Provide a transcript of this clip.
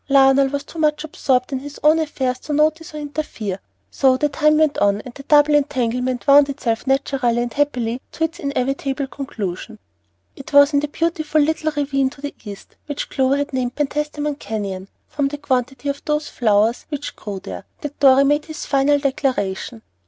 Lionel was too much absorbed in his own affairs to notice or interfere; so the time went on, and the double entanglement wound itself naturally and happily to its inevitable conclusion. It was in the beautiful little ravine to the east, which Clover had named "Penstamen Canyon," from the quantity of those flowers which grew there, that Dorry made his final declaration.